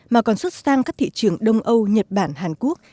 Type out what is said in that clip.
mà còn xuất sang các thị trường đông âu nhật bản hàn quốc